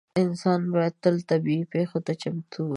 انسانان باید تل طبیعي پېښو ته چمتو اووسي.